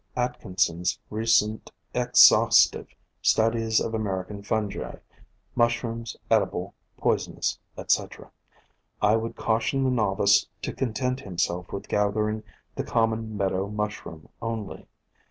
Atkin son's recent exhaustive "Studies of American Fungi, Mushrooms Edible, Poisonous," etc., I would cau tion the novice to content himself with gathering the common Meadow Mushroom only.